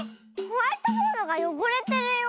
ホワイトボードがよごれてるよ。